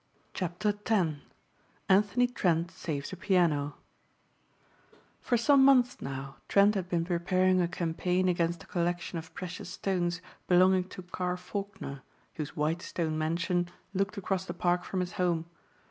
CHAPTER X ANTHONY TRENT SAVES A PIANO FOR some months now Trent had been preparing a campaign against the collection of precious stones belonging to Carr Faulkner whose white stone mansion looked across the Park from his home.